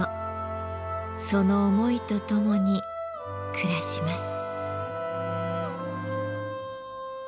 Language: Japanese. その思いとともに暮らします。